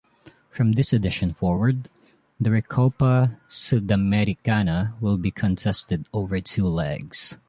From this edition forward, the Recopa Sudamericana will be contested over two legs.